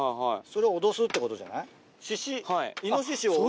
それで脅すってことじゃない？